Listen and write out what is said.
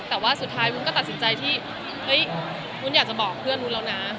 แต่ว่าสุดท้ายวุ้นก็ตัดสินใจที่เฮ้ยวุ้นอยากจะบอกเพื่อนวุ้นแล้วนะ